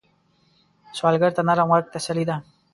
سوالګر ته نرم غږ تسلي ده